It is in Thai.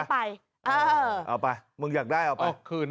เอาไปเอาไปมึงอยากได้เอาไปคืน